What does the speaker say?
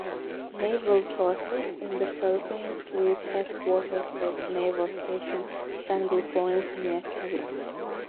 Naval Forces in the Philippines with headquarters at Naval Station Sangley Point near Cavite.